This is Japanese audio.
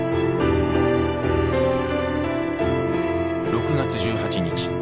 ６月１８日。